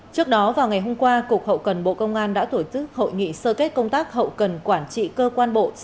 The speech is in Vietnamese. trước đó vào ngày hôm qua cục hậu cần bộ công an đã tổ chức hội nghị sơ kết công tác hậu cần quản trị cơ quan bộ